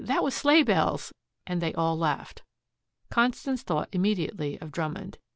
"That was Sleighbells," and they all laughed. Constance thought immediately of Drummond.